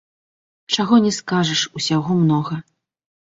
Чаго не скажаш, усяго многа.